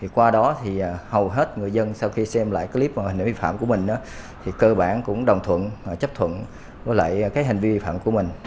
qua đó hầu hết người dân sau khi xem lại clip hình ảnh vi phạm của mình cơ bản cũng đồng thuận chấp thuận với hành vi vi phạm của mình